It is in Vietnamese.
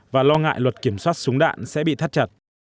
và lo ngại luật kiểm soát súng đạn sẽ bị thắt chặt